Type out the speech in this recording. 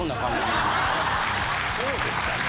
そうですかね。